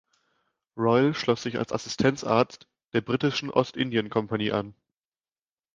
Royle schloss sich als Assistenzarzt der Britischen Ostindien-Kompanie an.